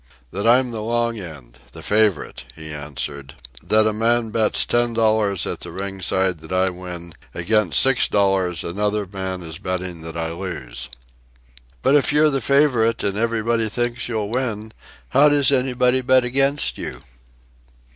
"That I'm the long end, the favorite," he answered. "That a man bets ten dollars at the ring side that I win against six dollars another man is betting that I lose." "But if you're the favorite and everybody thinks you'll win, how does anybody bet against you?"